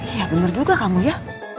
iya benar juga kamu ya